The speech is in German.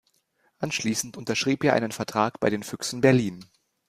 Anschließend unterschrieb er einen Vertrag bei den Füchsen Berlin.